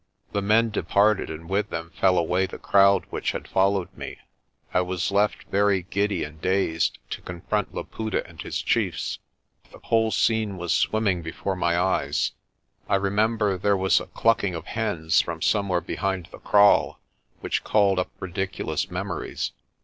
The men departed and with them fell away the crowd which had followed me. I was left, very giddy and dazed, to confront Laputa and his chiefs. The whole scene was INANDA'S KRAAL 191 swimming before my eyes. I remember there was a cluck ing of hens from somewhere behind the kraal, which called up ridiculous memories.